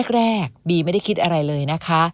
แรกบีไม่ได้คิดอะไรเลยนะคะ